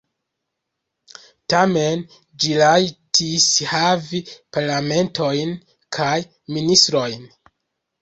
Tamen ĝi rajtis havi parlamentanojn kaj ministrojn.